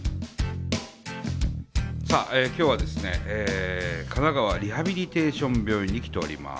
さあ今日はですね神奈川リハビリテーション病院に来ております。